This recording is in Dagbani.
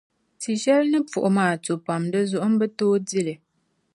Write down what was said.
Ti shɛli ni puɣi maa to pam, di zuɣu n bi tooi dili.